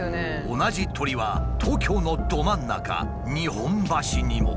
同じ鳥は東京のど真ん中日本橋にも。